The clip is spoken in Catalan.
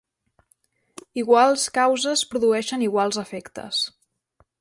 Iguals causes produeixen iguals efectes.